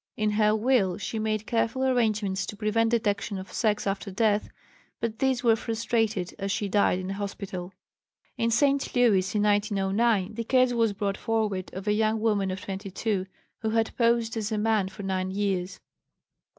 In her will she made careful arrangements to prevent detection of sex after death, but these were frustrated, as she died in a hospital. In St. Louis, in 1909, the case was brought forward of a young woman of 22, who had posed as a man for nine years.